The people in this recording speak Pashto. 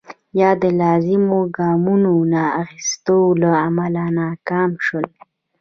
یا د لازمو ګامونو نه اخیستو له امله ناکام شول.